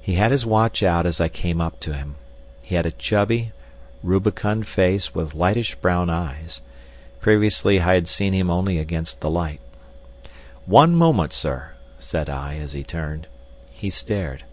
He had his watch out as I came up to him. He had a chubby, rubicund face with reddish brown eyes—previously I had seen him only against the light. "One moment, sir," said I as he turned. He stared.